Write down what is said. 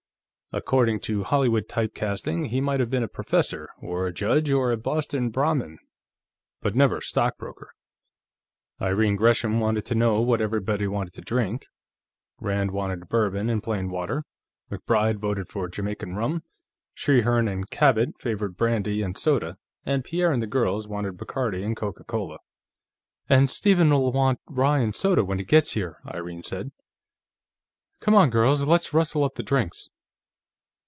According to Hollywood type casting, he might have been a professor, or a judge, or a Boston Brahmin, but never a stockbroker. Irene Gresham wanted to know what everybody wanted to drink. Rand wanted Bourbon and plain water; MacBride voted for Jamaica rum; Trehearne and Cabot favored brandy and soda, and Pierre and the girls wanted Bacardi and Coca Cola. "And Stephen'll want rye and soda, when he gets here," Irene said. "Come on, girls; let's rustle up the drinks."